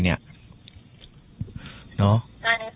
เครียดนะครับ